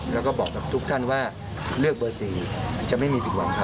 แล้วก็บอกกับทุกท่านว่าเลือกเบอร์๔จะไม่มีผิดหวังครับ